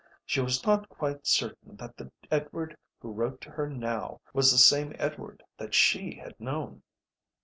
She was not quite certain that the Edward who wrote to her now was the same Edward that she had known.